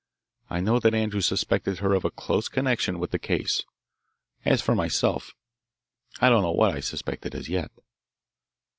I know that Andrews suspected her of a close connection with the case. As for myself, I don't know what I suspected as yet.